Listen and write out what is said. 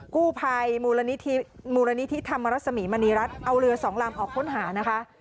กู้ภัยมูลนิธิธรรมรสมีมณีรัฐเอาเรือสองลำออกค้นหานะคะ